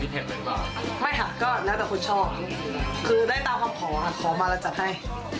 ไม่ค่ะก็แล้วแต่คนชอบคือได้ตามคำขอขอมาแล้วจัดให้